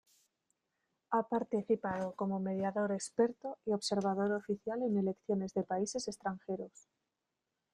Ha participado como mediador experto y observador oficial en elecciones de países extranjeros.